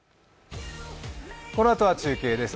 このあとは中継です。